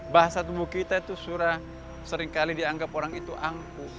bahasa tumbuh kita itu seringkali dianggap orang itu angku